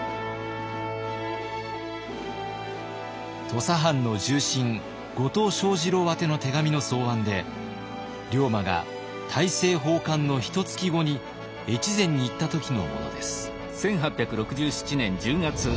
土佐藩の重臣後藤象二郎宛ての手紙の草案で龍馬が大政奉還のひとつき後に越前に行った時のものです。